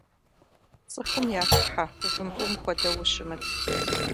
Цӏыхум яхыхьэ, вымпӏум хуэдэу ущымыт.